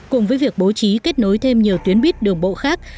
cùng với việc bố trí kết nối thêm nhiều tuyến buýt đường bộ khác